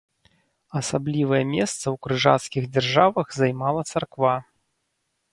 Асаблівае месца ў крыжацкіх дзяржавах займала царква.